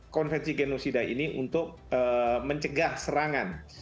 konveksi genosida ini untuk mencegah serangan